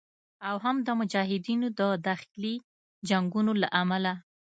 او هم د مجاهدینو د داخلي جنګونو له امله